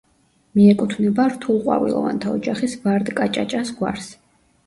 მიეკუთვნება რთულყვავილოვანთა ოჯახის ვარდკაჭაჭას გვარს.